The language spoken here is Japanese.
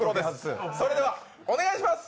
それでは、お願いします！